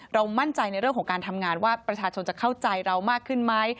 มั่นใจในเรื่องของการทำงานว่าประชาชนจะเข้าใจเรามากขึ้นไหม